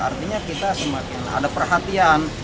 artinya kita semakin ada perhatian